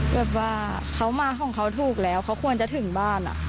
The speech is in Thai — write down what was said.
แบบว่าเขามาของเขาถูกแล้วเขาควรจะถึงบ้าน